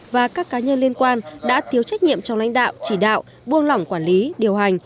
và các cá nhân liên quan đã thiếu trách nhiệm trong lãnh đạo chỉ đạo buông lỏng quản lý điều hành